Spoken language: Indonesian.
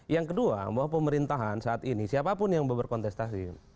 yang kedua bahwa pemerintahan saat ini siapapun yang berkontestasi